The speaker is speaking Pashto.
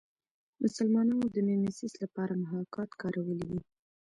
مسلمانانو د میمیسیس لپاره محاکات کارولی دی